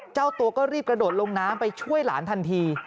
เจ้าตัวก็รีบกระโดดลงน้ำไปช่วยหลานทันที